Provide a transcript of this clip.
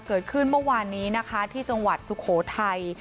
เมื่อวานนี้นะคะที่จังหวัดสุโขทัย